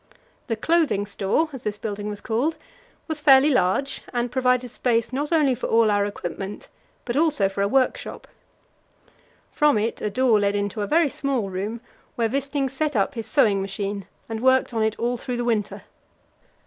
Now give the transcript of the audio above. The Clothing Store, as this building was called, was fairly large, and provided space not only for all our equipment, but also for a workshop. From it a door led into a very small room, where Wisting set up his sewing machine and worked on it all through the winter.